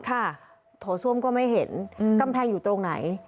โถส้วมก็ไม่เห็นกำแพงอยู่ตรงไหน